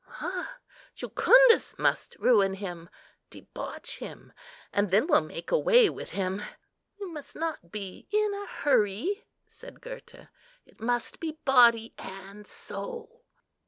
"Ah! Jucundus must ruin him, debauch him, and then we must make away with him. We must not be in a hurry," said Gurta, "it must be body and soul."